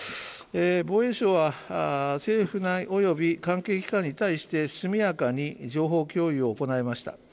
防衛省は政府内及び関係機関に対して速やかに情報共有を行いました。